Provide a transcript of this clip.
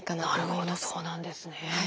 なるほどそうなんですね。